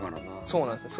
そうなんですよ。